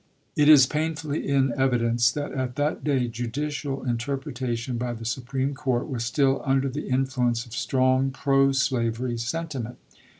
It is painfully in evidence that at that day judicial interpretation by the Supreme Court was still under the influence of strong pro slavery sentiment.